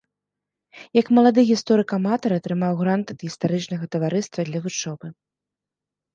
Як малады гісторык-аматар атрымаў грант ад гістарычнага таварыства для вучобы.